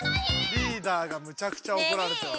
リーダーがむちゃくちゃおこられてます。